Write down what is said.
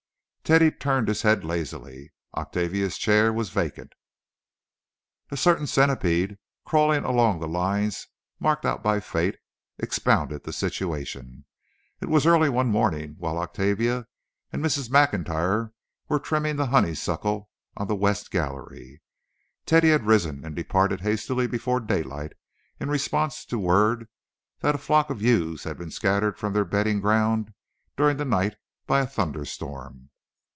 Teddy turned his head lazily. Octavia's chair was vacant. A certain centipede, crawling along the lines marked out by fate, expounded the situation. It was early one morning while Octavia and Mrs. Maclntyre were trimming the honeysuckle on the west gallery. Teddy had risen and departed hastily before daylight in response to word that a flock of ewes had been scattered from their bedding ground during the night by a thunder storm.